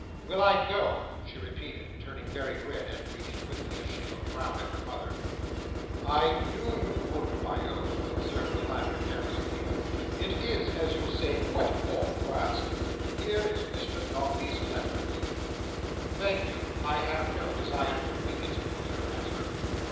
"Will I go!" she repeated, turning very red, and breathing quickly as she looked round at her mother. "I knew you would, my own, observed the latter carelessly. "It is, as you say, quite a form to ask. Here is Mr Dombey's letter, Edith." "Thank you. I have no desire to read it," was her answer.